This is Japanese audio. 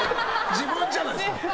自分じゃないですか！